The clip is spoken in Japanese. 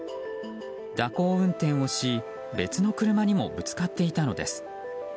蛇行運転をし、別の車にもぶつかっていたのです。